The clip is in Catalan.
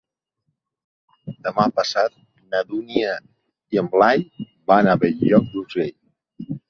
Demà passat na Dúnia i en Blai van a Bell-lloc d'Urgell.